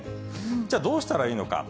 じゃあ、どうしたらいいのか。